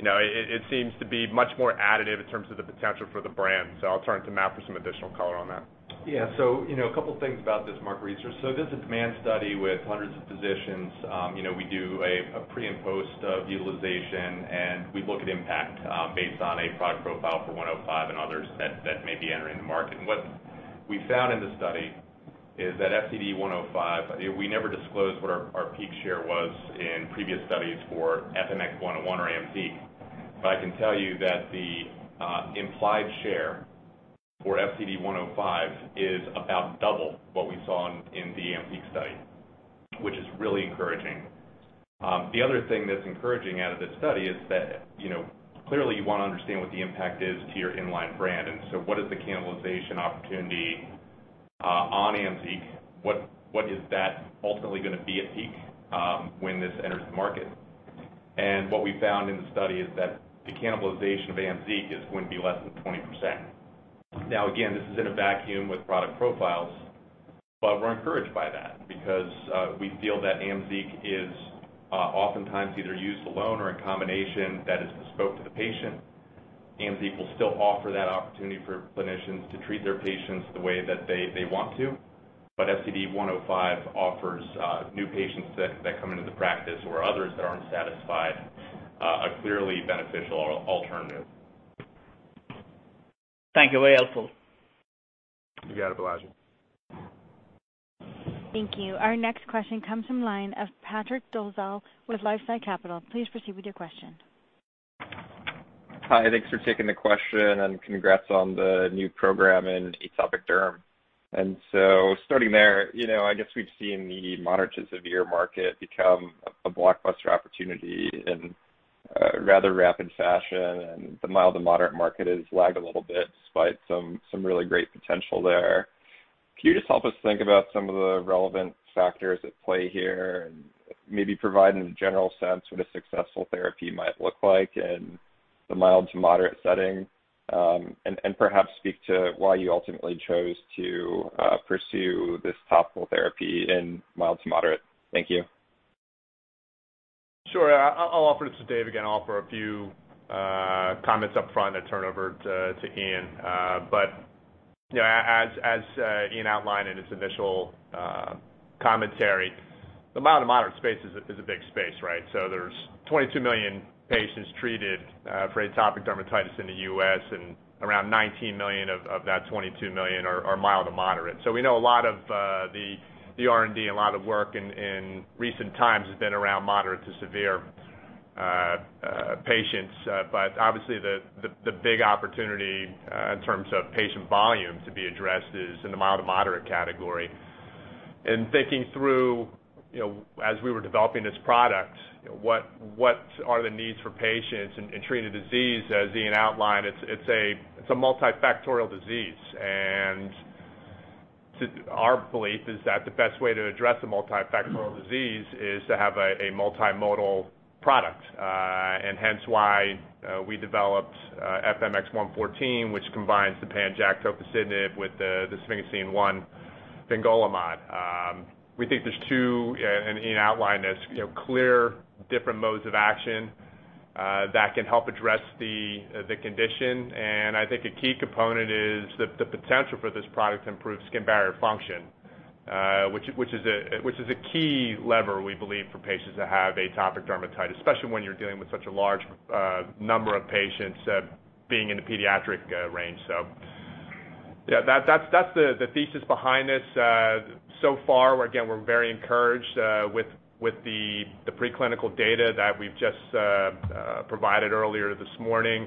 it seems to be much more additive in terms of the potential for the brand. I'll turn to Matt for some additional color on that. Yeah. A couple things about this market research. This is a demand study with hundreds of physicians. We do a pre- and post-utilization, and we look at impact based on a product profile for FCD105 and others that may be entering the market. What we found in the study is that FCD105, we never disclosed what our peak share was in previous studies for FMX101 or AMZEEQ, but I can tell you that the implied share for FCD105 is about double what we saw in the AMZEEQ study, which is really encouraging. The other thing that's encouraging out of this study is that clearly you want to understand what the impact is to your in-line brand, what is the cannibalization opportunity on AMZEEQ? What is that ultimately gonna be at peak when this enters the market? What we found in the study is that the cannibalization of AMZEEQ is going to be less than 20%. Now, again, this is in a vacuum with product profiles, but we're encouraged by that because we feel that AMZEEQ is oftentimes either used alone or in combination that is bespoke to the patient. AMZEEQ will still offer that opportunity for clinicians to treat their patients the way that they want to but FCD105 offers new patients that come into the practice or others that aren't satisfied a clearly beneficial alternative. Thank you. Very helpful. You got it, Balaji. Thank you. Our next question comes from line of Patrick Dolezal with LifeSci Capital. Please proceed with your question. Hi, thanks for taking the question. Congrats on the new program in atopic derm. Starting there, I guess we've seen the moderate to severe market become a blockbuster opportunity in a rather rapid fashion, and the mild to moderate market has lagged a little bit despite some really great potential there. Can you just help us think about some of the relevant factors at play here and maybe provide in a general sense what a successful therapy might look like in the mild to moderate setting? Perhaps speak to why you ultimately chose to pursue this topical therapy in mild to moderate. Thank you. Sure. I'll offer this to Dave again. I'll offer a few comments up front, then turn over to Iain. As Iain outlined in his initial commentary, the mild to moderate space is a big space, right? There's 22 million patients treated for atopic dermatitis in the U.S., and around 19 million of that 22 million are mild to moderate. We know a lot of [inaudible] did a lot of work in recent times, it's been around moderate to severe patients. Obviously the big opportunity in terms of patient volume to be addressed is in the mild to moderate category. In thinking through as we were developing this product, what are the needs for patients in treating the disease, as Iain outlined, it's a multifactorial disease. Our belief is that the best way to address a multifactorial disease is to have a multimodal product. Hence why we developed FMX114, which combines tofacitinib with the sphingosine 1, fingolimod. We think there's two, and Iain outlined this, clear different modes of action that can help address the condition. I think a key component is the potential for this product to improve skin barrier function, which is a key lever, we believe, for patients that have atopic dermatitis, especially when you're dealing with such a large number of patients being in the pediatric range. Yeah, that's the thesis behind this. Far, again, we're very encouraged with the preclinical data that we've just provided earlier this morning.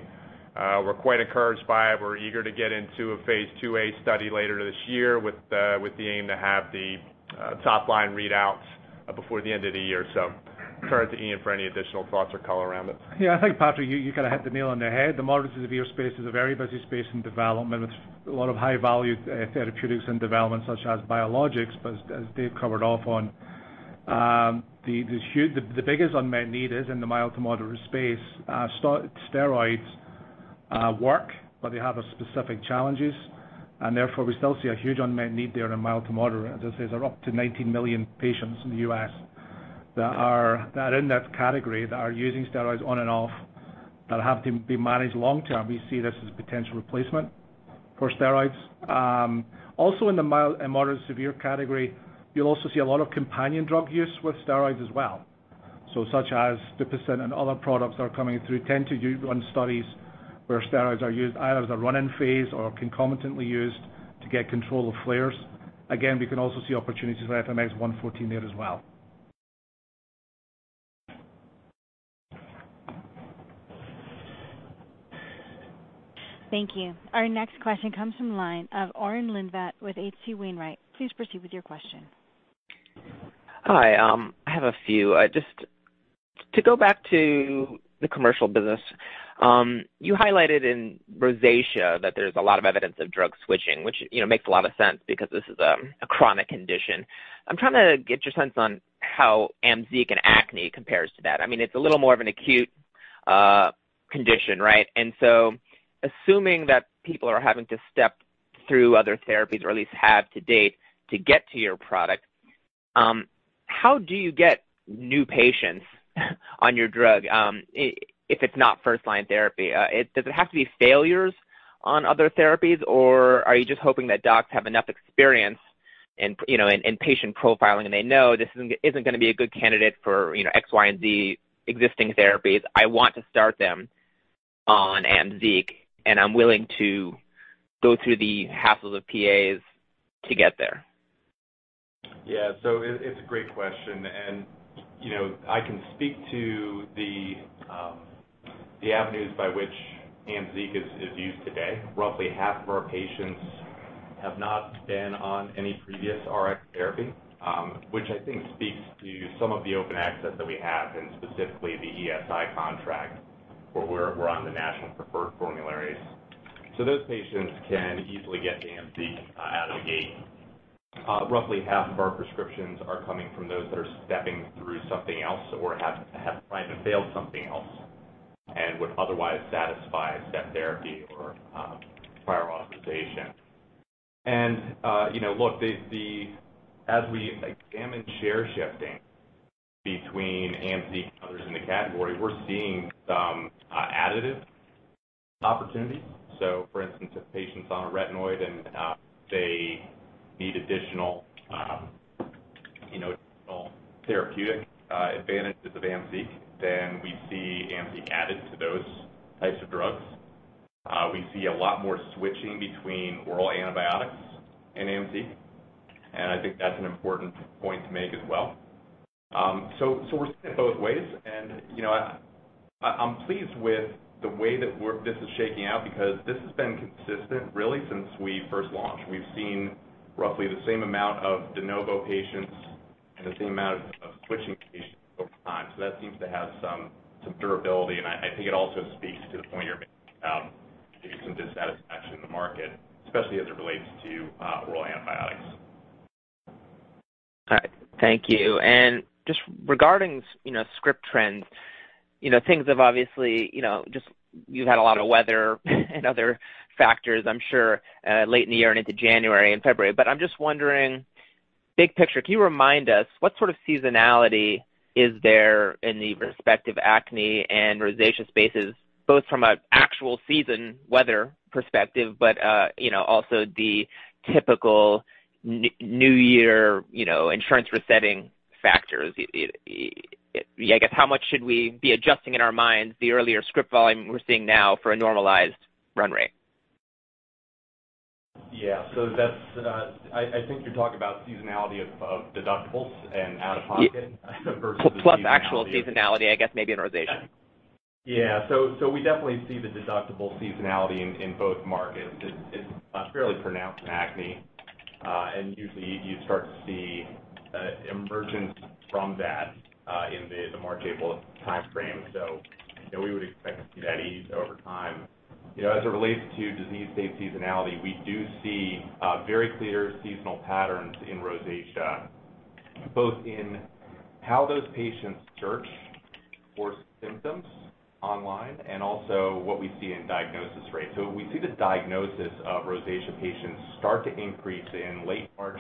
We're quite encouraged by it. We're eager to get into a phase II-A study later this year with the aim to have the top-line readouts before the end of the year. Turn it to Iain for any additional thoughts or color around it. Yeah, I think, Patrick, you kind of hit the nail on the head. The moderate to severe space is a very busy space in development with a lot of high-value therapeutics in development, such as biologics. As Dave covered off on, the biggest unmet need is in the mild to moderate space. Steroids work, but they have specific challenges, and therefore we still see a huge unmet need there in mild to moderate. As I say, there are up to 90 million patients in the U.S. that are in that category, that are using steroids on and off that have to be managed long term. We see this as a potential replacement for steroids. Also in the mild and moderate to severe category, you'll also see a lot of companion drug use with steroids as well. Such as DUPIXENT and other products that are coming through tend to run studies where steroids are used either as a run-in phase or concomitantly used to get control of flares. Again, we can also see opportunities for FMX114 there as well. Thank you. Our next question comes from the line of Oren Livnat with H.C. Wainwright. Please proceed with your question. Hi, I have a few. Just to go back to the commercial business. You highlighted in rosacea that there's a lot of evidence of drug switching, which makes a lot of sense because this is a chronic condition. I'm trying to get your sense on how AMZEEQ and acne compares to that. It's a little more of an acute condition, right? Assuming that people are having to step through other therapies or at least have to date to get to your product, how do you get new patients on your drug if it's not first-line therapy? Does it have to be failures on other therapies, or are you just hoping that docs have enough experience in patient profiling and they know this isn't going to be a good candidate for X, Y, and Z existing therapies? I want to start them on AMZEEQ, and I'm willing to go through the hassle of PAs to get there. It's a great question, and I can speak to the avenues by which AMZEEQ is used today. Roughly half of our patients have not been on any previous Rx therapy, which I think speaks to some of the open access that we have in specifically the ESI contract, where we're on the national preferred formularies. Those patients can easily get AMZEEQ out of the gate. Roughly half of our prescriptions are coming from those that are stepping through something else or have tried and failed something else and would otherwise satisfy step therapy or prior authorization. Look, as we examine share shifting between AMZEEQ and others in the category, we're seeing some additive opportunities. For instance, if a patient's on a retinoid and they need additional therapeutic advantages of AMZEEQ, then we see AMZEEQ added to those types of drugs. We see a lot more switching between oral antibiotics and AMZEEQ, and I think that's an important point to make as well. We're seeing it both ways, and I'm pleased with the way that this is shaking out because this has been consistent really since we first launched. We've seen roughly the same amount of de novo patients and the same amount of switching patients over time. That seems to have some durability, and I think it also speaks to the point you're making about maybe some dissatisfaction in the market, especially as it relates to oral antibiotics. All right. Thank you. Just regarding script trends, things have obviously, you've had a lot of weather and other factors, I'm sure, late in the year and into January and February. I'm just wondering, big picture, can you remind us what sort of seasonality is there in the respective acne and rosacea spaces, both from an actual season weather perspective, but also the typical New Year insurance resetting factors? I guess, how much should we be adjusting in our minds the earlier script volume we're seeing now for a normalized run rate? Yeah. I think you're talking about seasonality of deductibles and out-of-pocket versus seasonality. Plus actual seasonality, I guess maybe in rosacea. Yeah. We definitely see the deductible seasonality in both markets. It's fairly pronounced in acne. Usually you start to see an emergence from that in the March, April timeframe. We would expect to see that ease over time. As it relates to disease state seasonality, we do see very clear seasonal patterns in rosacea, both in how those patients search for symptoms online and also what we see in diagnosis rates. We see the diagnosis of rosacea patients start to increase in late March,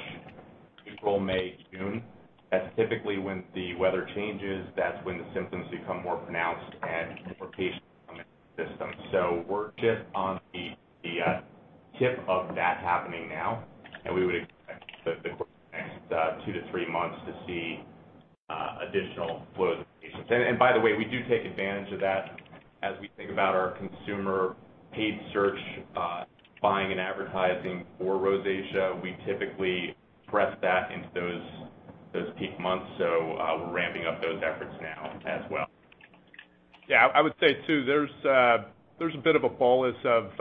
April, May, June. That's typically when the weather changes. That's when the symptoms become more pronounced and more patients come into the system. We're just on the tip of that happening now, and we would expect the course of the next two to three months to see additional flow of the patients. By the way, we do take advantage of that as we think about our consumer paid search buying and advertising for rosacea. We typically press that into those peak months. We're ramping up those efforts now as well. Yeah. I would say too, there's a bit of a bolus of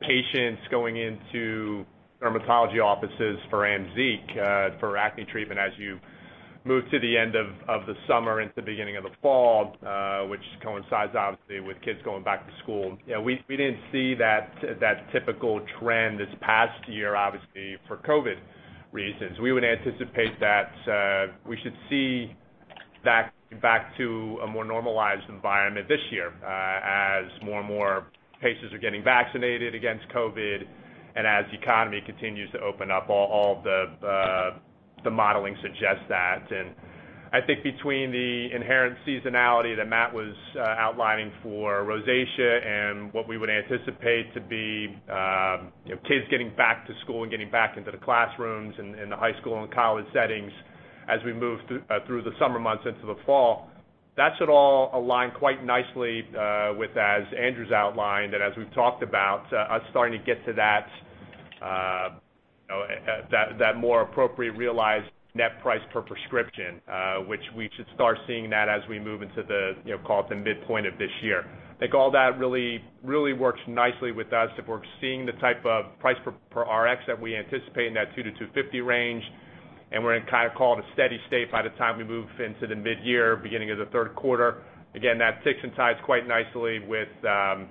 patients going into dermatology offices for AMZEEQ, for acne treatment as you move to the end of the summer into the beginning of the fall, which coincides obviously with kids going back to school. We didn't see that typical trend this past year, obviously for COVID reasons. We would anticipate that we should see back to a more normalized environment this year as more and more patients are getting vaccinated against COVID and as the economy continues to open up. All the modeling suggests that. I think between the inherent seasonality that Matt was outlining for rosacea and what we would anticipate to be kids getting back to school and getting back into the classrooms in the high school and college settings as we move through the summer months into the fall, that should all align quite nicely with, as Andrew's outlined and as we've talked about, us starting to get to that more appropriate realized net price per prescription, which we should start seeing that as we move into the midpoint of this year. I think all that really works nicely with us if we're seeing the type of price per Rx that we anticipate in that $2-$250 range, and we're in a steady state by the time we move into the mid-year, beginning of the third quarter. That ticks and ties quite nicely with the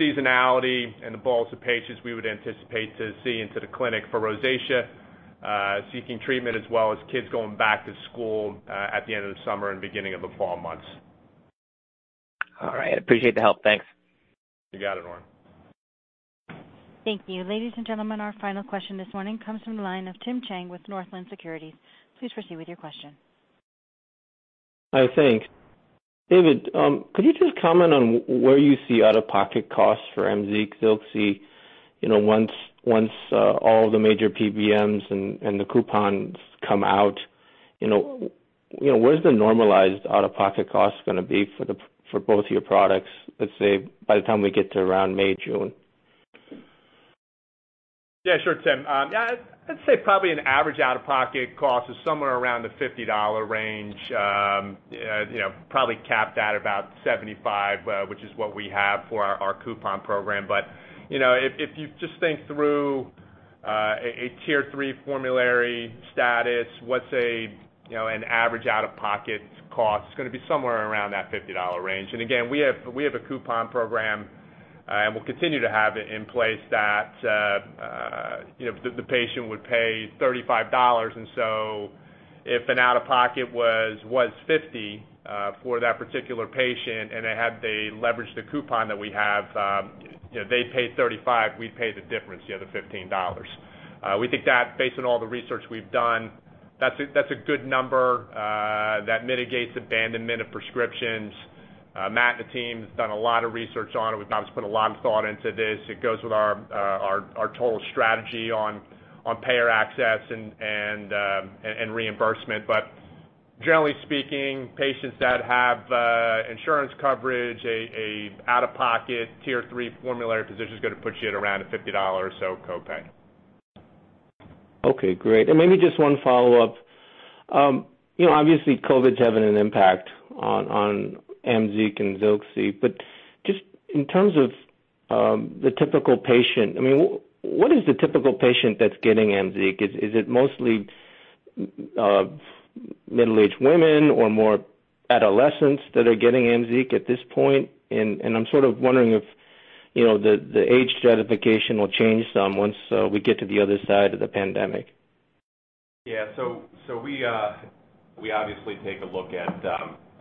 seasonality and the bolus of patients we would anticipate to see into the clinic for rosacea seeking treatment, as well as kids going back to school at the end of the summer and beginning of the fall months. All right. Appreciate the help. Thanks. You got it, Oren. Thank you. Ladies and gentlemen, our final question this morning comes from the line of Tim Chiang with Northland Securities. Please proceed with your question. Hi. Thanks. David, could you just comment on where you see out-of-pocket costs for AMZEEQ, ZILXI, once all the major PBMs and the coupons come out? Where's the normalized out-of-pocket cost going to be for both of your products, let's say by the time we get to around May, June? Yeah, sure, Tim. I'd say probably an average out-of-pocket cost is somewhere around the $50 range, probably capped at about $75, which is what we have for our coupon program. If you just think through a Tier 3 formulary status, what's an average out-of-pocket cost, it's going to be somewhere around that $50 range. Again, we have a coupon program, and we'll continue to have it in place that the patient would pay $35. If an out-of-pocket was $50 for that particular patient, and they leveraged the coupon that we have, they pay $35, we pay the difference, the other $15. We think that based on all the research we've done, that's a good number that mitigates abandonment of prescriptions. Matt and the team has done a lot of research on it. We've obviously put a lot of thought into this. It goes with our total strategy on payer access and reimbursement but, generally speaking, patients that have insurance coverage, a out-of-pocket Tier 3 formulary position is going to put you at around a $50 or so copay. Okay, great. Maybe just one follow-up. Obviously, COVID's having an impact on AMZEEQ and ZILXI, but just in terms of the typical patient, what is the typical patient that's getting AMZEEQ? Is it mostly middle-aged women or more adolescents that are getting AMZEEQ at this point? I'm sort of wondering if the age stratification will change some once we get to the other side of the pandemic. Yeah. We obviously take a look at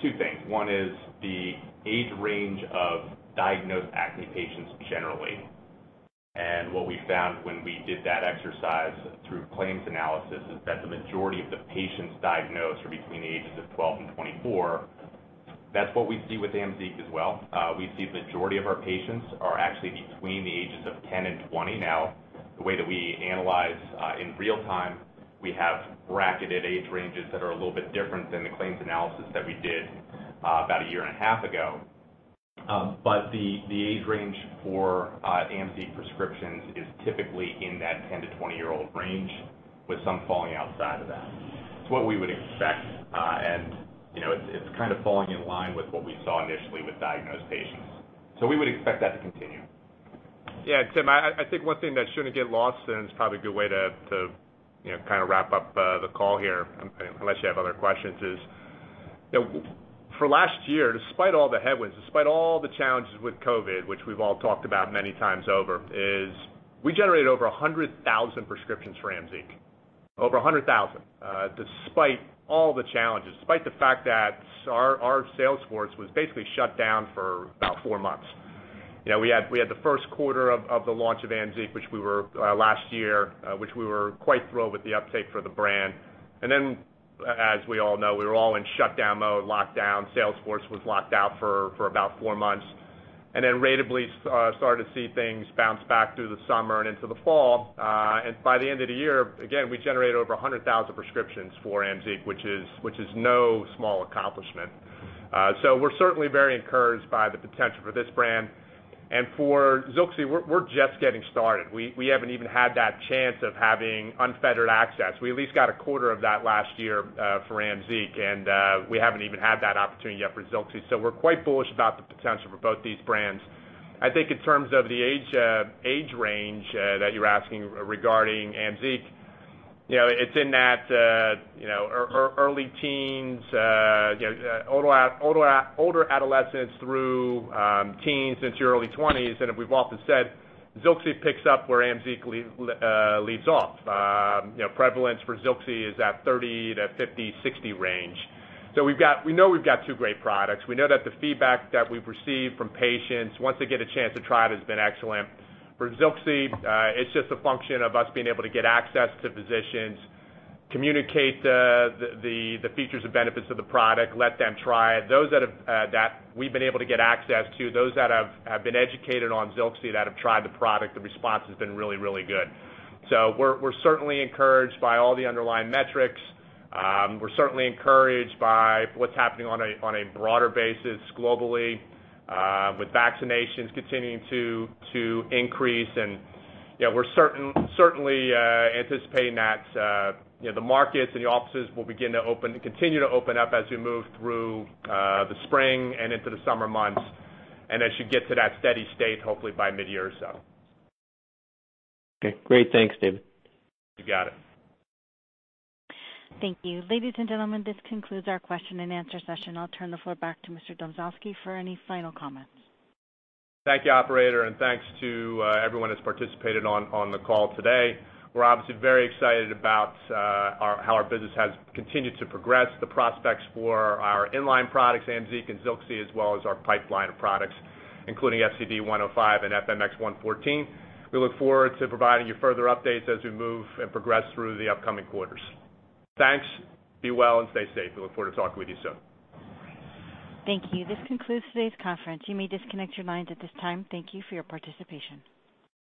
two things. One is the age range of diagnosed acne patients generally. What we found when we did that exercise through claims analysis is that the majority of the patients diagnosed are between the ages of 12 and 24. That's what we see with AMZEEQ as well. We see the majority of our patients are actually between the ages of 10 and 20 now. The way that we analyze in real-time, we have bracketed age ranges that are a little bit different than the claims analysis that we did about a year and a half ago. The age range for AMZEEQ prescriptions is typically in that 10-20-year-old range, with some falling outside of that. It's what we would expect, and it's kind of falling in line with what we saw initially with diagnosed patients. We would expect that to continue. Yeah, Tim, I think one thing that shouldn't get lost, and it's probably a good way to kind of wrap up the call here, unless you have other questions, is for last year, despite all the headwinds, despite all the challenges with COVID, which we've all talked about many times over, is we generated over 100,000 prescriptions for AMZEEQ. Over 100,000. Despite all the challenges, despite the fact that our sales force was basically shut down for about four months. We had the first quarter of the launch of AMZEEQ, last year, which we were quite thrilled with the uptake for the brand. Then, as we all know, we were all in shutdown mode, locked down. Sales force was locked out for about four months. Then ratably started to see things bounce back through the summer and into the fall. By the end of the year, again, we generated over 100,000 prescriptions for AMZEEQ, which is no small accomplishment. We're certainly very encouraged by the potential for this brand. For ZILXI, we're just getting started. We haven't even had that chance of having unfettered access. We at least got a quarter of that last year for AMZEEQ, and we haven't even had that opportunity yet for ZILXI. We're quite bullish about the potential for both these brands. I think in terms of the age range that you're asking regarding AMZEEQ, it's in that early teens, older adolescents through teens into your early 20s. As we've often said, ZILXI picks up where AMZEEQ leaves off. Prevalence for ZILXI is at 30 years-50 years, 60 years range. We know we've got two great products. We know that the feedback that we've received from patients, once they get a chance to try it, has been excellent. For ZILXI, it's just a function of us being able to get access to physicians, communicate the features and benefits of the product, let them try it. Those that we've been able to get access to, those that have been educated on ZILXI that have tried the product, the response has been really good. We're certainly encouraged by all the underlying metrics. We're certainly encouraged by what's happening on a broader basis globally with vaccinations continuing to increase. We're certainly anticipating that the markets and the offices will begin to continue to open up as we move through the spring and into the summer months and as you get to that steady state, hopefully by mid-year or so. Okay, great. Thanks, David. You got it. Thank you. Ladies and gentlemen, this concludes our question and answer session. I'll turn the floor back to Mr. Domzalski for any final comments. Thank you, operator, and thanks to everyone who's participated on the call today. We're obviously very excited about how our business has continued to progress, the prospects for our in-line products, AMZEEQ and ZILXI, as well as our pipeline of products, including FCD105 and FMX114. We look forward to providing you further updates as we move and progress through the upcoming quarters. Thanks. Be well and stay safe. We look forward to talking with you soon. Thank you. This concludes today's conference. You may disconnect your lines at this time. Thank you for your participation.